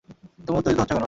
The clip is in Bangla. তুমি উত্তেজিত হচ্ছ কেন?